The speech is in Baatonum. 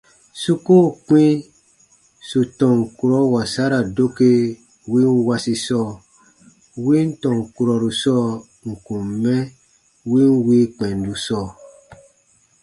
Su koo kpĩ sù tɔn kurɔ wasara doke win wasi sɔɔ, win tɔn kurɔru sɔɔ ǹ kun mɛ win wii kpɛndu sɔɔ.